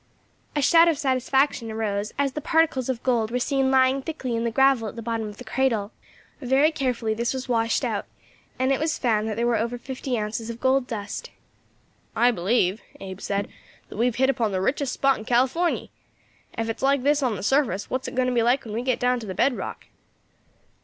A shout of satisfaction arose as the particles of gold were seen lying thickly in the gravel at the bottom of the cradle. Very carefully this was washed out, and it was found that there were over fifty ounces of gold dust. "I believe," Abe said, "that we have hit upon the richest spot in Californy. Ef it's like this on the surface, what is it going to be like when we get down to the bed rock?"